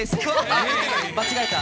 あ、間違えた！